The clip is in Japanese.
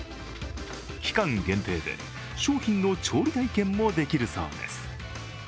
期間限定で、商品の調理体験もできるそうです。